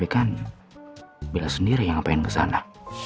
kan bella sendiri yang ngapain kesana